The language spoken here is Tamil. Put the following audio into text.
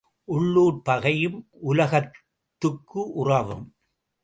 உள்ளூர்ப் பகையும் உலகத்துக்கு உறவும்.